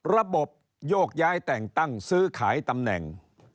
โยกย้ายแต่งตั้งซื้อขายตำแหน่ง